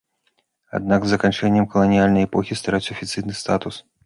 Аднак з заканчэннем каланіяльнай эпохі страціў афіцыйны статус.